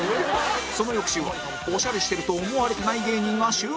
その翌週はオシャレしてると思われてない芸人が集結